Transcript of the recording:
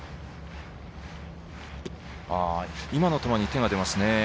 今の球に手が出ますね。